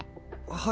はい。